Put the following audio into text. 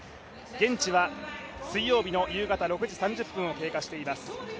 現地は水曜日の夕方６時３０分を経過しています。